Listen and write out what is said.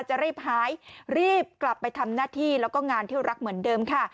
จะรีบหายรีบกลับไปทำหน้าที่แล้วก็งานเที่ยวรักเหมือนเดิมค่ะ